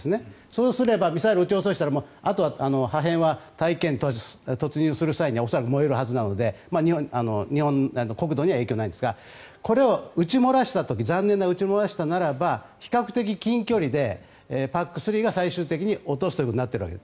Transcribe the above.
そうすればミサイルを撃ち落としたらあとは破片は大気圏に突入する際には恐らく燃えるはずなので日本の国土には影響がないんですがこれを撃ち漏らした時残念ながら撃ち漏らしたならば比較的近距離でＰＡＣ３が最終的に落とすということになっているわけ。